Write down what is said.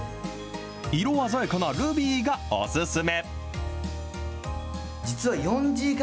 色鮮やかなルビーがお勧め。